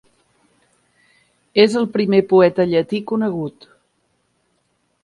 És el primer poeta llatí conegut.